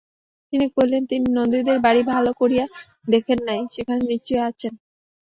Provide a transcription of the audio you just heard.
তিনি কহিলেন, তিনি নন্দীদের বাড়ি ভালো করিয়া দেখেন নাই, সেখানেই নিশ্চয় আচেন।